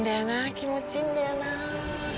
気持ちいいんだよなぁ。